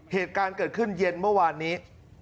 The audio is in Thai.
เหตุการณ์เกิดขึ้นเย็นเมื่อวานนี้